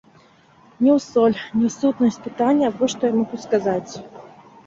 Не ў соль, не ў сутнасць пытання, вось што я магу сказаць.